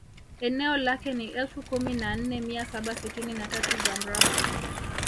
Eneo lake ni elfu kumi na nne mia saba sitini na tatu za mraba